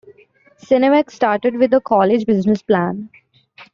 Cinemex started with a college business plan.